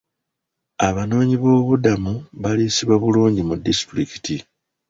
Abanoonyi boobubudamu baliisibwa bulungi mu disitulikiti.